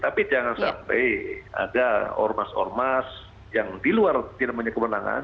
tapi jangan sampai ada ormas ormas yang di luar tidak punya kewenangan